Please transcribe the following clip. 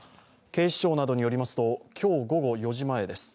警視庁などによりますと、今日午後４時前です。